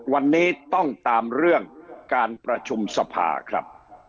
วันนี้ต้องตามเรื่องการประชุมสภาครับ